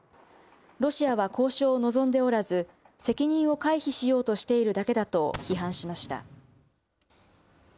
ロシアは交渉を望んでおらず、責任を回避しようとしているだけだと批判しました。